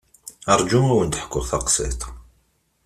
Rju ad wen-d-ḥkuɣ taqsiṭ.